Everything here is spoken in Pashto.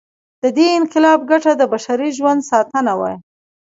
د دې انقلاب ګټه د بشري ژوند ساتنه وه.